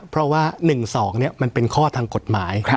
เพราะว่า๑๒มันเป็นข้อทางกฎหมาย